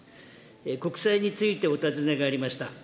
国債についてお尋ねがありました。